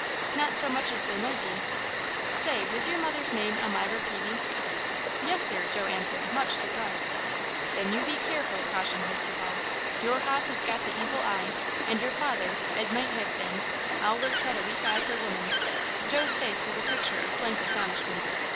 "Not so much as there might be." "Say, was your mother's name Elmiry Peavey?" "Yes sir," Joe answered, much surprised. "Then you be keerful," cautioned Mr. Ball. "Your hoss has got the evil eye and your father, as might hev been, allers had a weak eye fer women." Joe's face was a picture of blank astonishment.